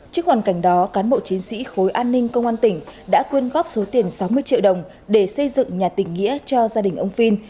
trước hoàn cảnh đó cán bộ chiến sĩ khối an ninh công an tỉnh đã quyên góp số tiền sáu mươi triệu đồng để xây dựng nhà tỉnh nghĩa cho gia đình ông phin